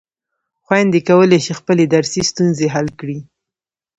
خویندې کولای شي خپلې درسي ستونزې حل کړي.